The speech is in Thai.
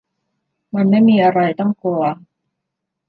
มันมีอะไรต้องกลัว